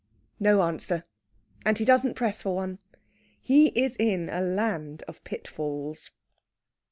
No answer. And he doesn't press for one. He is in a land of pitfalls.